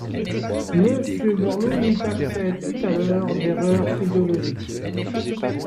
Monsieur Borloo nous taxait tout à l’heure d’erreur idéologique.